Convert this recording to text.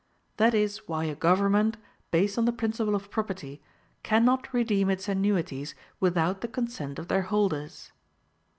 That is why a government, based on the principle of property, cannot redeem its annuities without the consent of their holders.